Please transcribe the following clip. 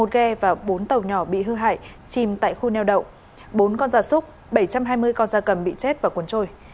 một ghe và bốn tàu nhỏ bị hư hại chìm tại khu neo đậu bốn con da súc bảy trăm hai mươi con da cầm bị chết và cuốn trôi